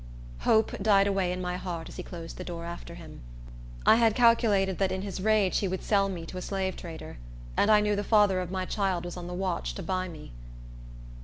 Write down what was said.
Hope died away in my heart as he closed the door after him. I had calculated that in his rage he would sell me to a slave trader; and I knew the father of my child was on the watch to buy me.